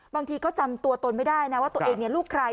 บางทีก็จำตัวตนไม่ได้นะว่าตัวเองลูกใคร